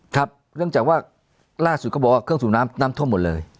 ครับเนื่องจากว่าล่าสุดเขาบอกว่าเครื่องสูบน้ำน้ำท่วมหมดเลย